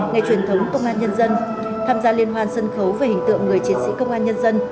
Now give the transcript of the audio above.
ngày truyền thống công an nhân dân tham gia liên hoàn sân khấu về hình tượng người chiến sĩ công an nhân dân